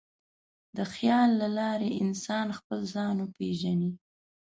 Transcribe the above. د خیال له لارې انسان خپل ځان وپېژني.